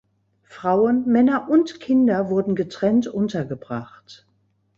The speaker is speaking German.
Frauen, Männer und Kinder wurden getrennt untergebracht.